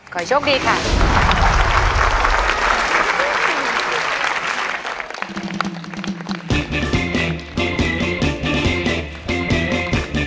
ขอโชคดีค่ะ